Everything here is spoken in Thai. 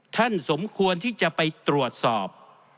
สมควรที่จะไปตรวจสอบ